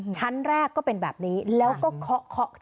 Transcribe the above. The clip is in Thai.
ชั้นแรกก็เป็นแบบนี้แล้วก็เคาะ